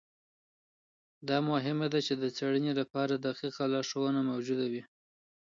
دا مهمه ده چي د څېړنې لپاره دقیقه لارښوونه موجوده وي.